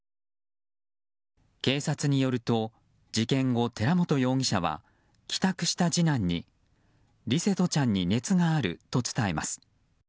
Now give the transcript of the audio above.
警察によると事件後、寺本容疑者は帰宅した次男に、琉聖翔ちゃんに熱があると伝えます。